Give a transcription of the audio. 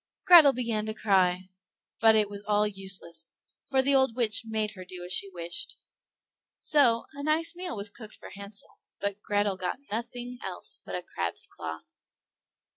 Grethel began to cry, but it was all useless, for the old witch made her do as she wished. So a nice meal was cooked for Hansel, but Grethel got nothing else but a crab's claw.